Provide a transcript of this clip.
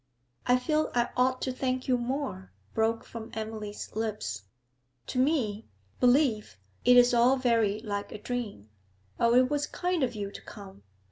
'I feel I ought to thank you more,' broke from Emily's lips. 'To me, believe, it is all very like a dream. O, it was kind of you to come!